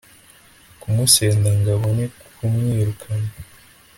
kumusenda, ngo abone kumwirukana